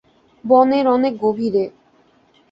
বনের অনেক গভীরে।